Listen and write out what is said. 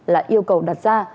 là yêu cầu đặt ra